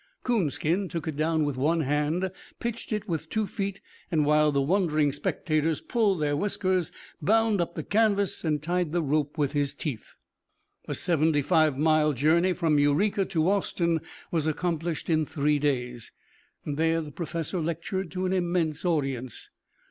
Coonskin took it down with one hand, pitched it with two feet, and while the wondering spectators pulled their whiskers, bound up the canvas and tied the rope with his teeth. The seventy five mile journey from Eureka to Austin was accomplished in three days. There, the Professor lectured to an immense audience.